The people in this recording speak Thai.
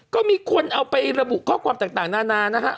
ก็มีคนเอาไประบุข้อความต่างนานานะฮะ